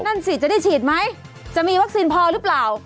นั่นสิจะได้ฉีดไหมจะมีวัคซีนพอหรือเปล่า